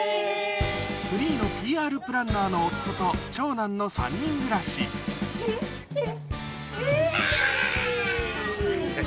フリーのＰＲプランナーの夫と長男の３人暮らしあぁ！